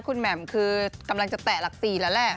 คุณแหม่มคือกำลังจะแตะหลัก๔แล้วแหละ